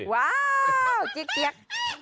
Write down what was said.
ว้าวจี้๊ก